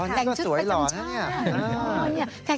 นี่ก็สวยหล่อนะเนี่ย